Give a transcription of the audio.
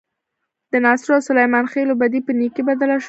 د ناصرو او سلیمان خېلو بدۍ په نیکۍ بدله شوه.